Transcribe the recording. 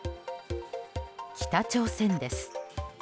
北朝鮮です。